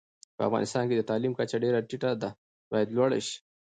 په افغانستان کي د تعلیم کچه ډيره ټیټه ده، بايد لوړه شي